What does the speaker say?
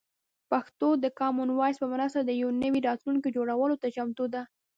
پښتو د کامن وایس په مرسته د یو نوي راتلونکي جوړولو ته چمتو ده.